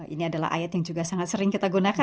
ini adalah ayat yang juga sangat sering kita gunakan